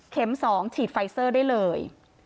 ๒ฉีดไฟเซอร์ได้เลย